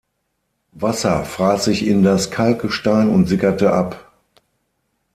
Wasser fraß sich in das Kalkgestein und sickerte ab.